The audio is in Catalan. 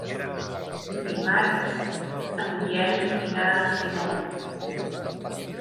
Dimarts en Biel irà al cinema.